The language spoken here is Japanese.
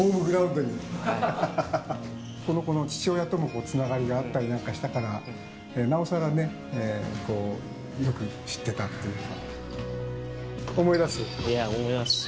この子の父親ともつながりがあったりなんかしたからなおさらよく知ってたというか。